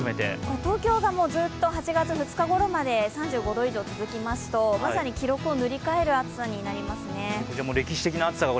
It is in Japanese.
東京がずっと８月２日ごろまで３５度が続きますと、まさに記録を塗り替える暑さになりますね。